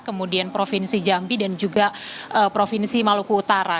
kemudian provinsi jambi dan juga provinsi maluku utara